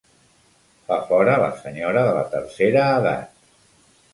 Fa fora la senyora de la tercera edat.